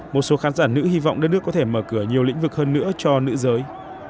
một số khán giả nữ hy vọng đất nước có thể mở cửa nhiều lĩnh vực hơn nữa cho nữ giới